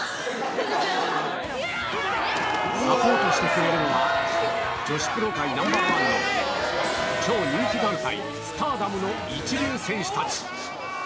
サポートしてくれるのは、女子プロ界ナンバー１の超人気団体、スターダムの一流選手たち。